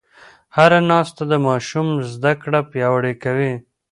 هره ناسته د ماشوم زده کړه پیاوړې کوي.